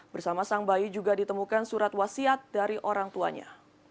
bersama sang bayi juga ditemukan surat wasiat dari orang tuanya